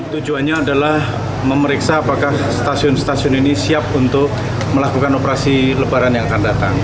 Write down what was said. tujuannya adalah memeriksa apakah stasiun stasiun ini siap untuk melakukan operasi lebaran yang akan datang